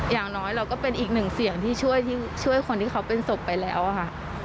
อย่างน้อยเราก็เป็นอีกหนึ่งเสียงที่ช่วยคนที่เขาเป็นศพไปแล้วค่ะ